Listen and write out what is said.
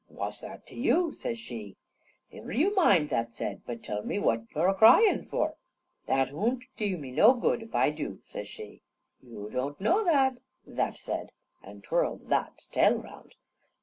"Wha's that to yew?" says she. "Niver yew mind," that said, "but tell me what you're a cryin' for." "That oon't dew me noo good if I dew," says she. "Yew doon't know that," that said, an' twirled that's tail round.